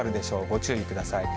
ご注意ください。